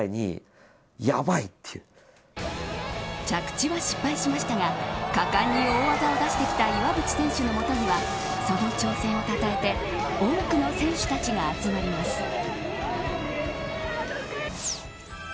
着地は失敗しましたが果敢に大技を出してきた岩渕選手の元にはその挑戦をたたえて多くの選手たちが集まります。